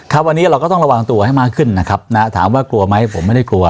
ครับวันนี้เราก็ต้องระวังตัวให้มากขึ้นนะครับนะถามว่ากลัวไหมผมไม่ได้กลัว